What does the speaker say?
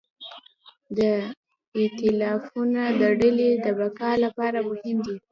دا ایتلافونه د ډلې د بقا لپاره مهم دي.